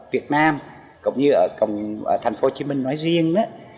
việt nam cũng như ở thành phố hồ chí minh nói riêng